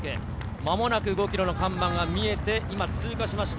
まもなく５ｋｍの看板が見えて、今通過しました。